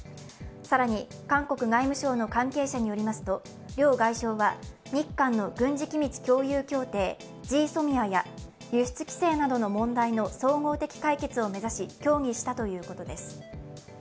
更に韓国外務省の関係者によりますと、両外相は日韓の軍事機密共有協定ＧＳＯＭＩＡや輸出規制などの問題の総合的解決を目指し協議したということです。